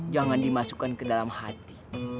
jangan dimasukkan ke dalam hati